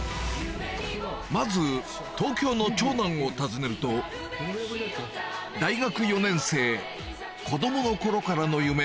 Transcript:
まず東京の長男を訪ねると大学４年生子供の頃からの夢